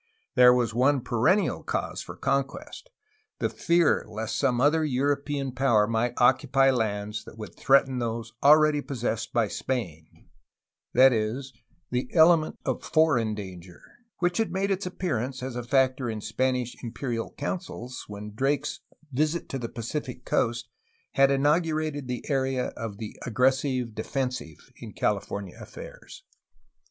There was one perennial cause for conquest: the fear lest some other European power might occupy lands that would threaten those already possessed by Spain, — the element of foreign danger, which had made its appear ance as a factor in Spanish imperial councils when Drake^s visit to the Pacific coast had inaugurated the era of the ' 'aggressive defensive" in California affairs.